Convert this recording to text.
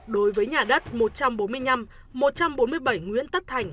đối với nhà đất một trăm bốn mươi năm một trăm bốn mươi bảy nguyễn tất thành